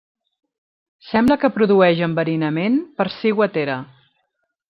Sembla que produeix enverinament per ciguatera.